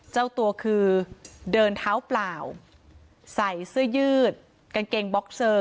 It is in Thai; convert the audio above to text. เจ้าตัวคือเดินเท้าเปล่าใส่เสื้อยืดกางเกงบ็อกเซอร์